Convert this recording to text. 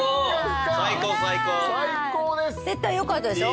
絶対よかったでしょ？